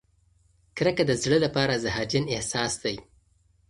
کرکه د زړه لپاره زهرجن احساس دی.